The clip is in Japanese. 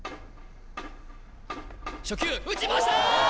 初球打ちましたー！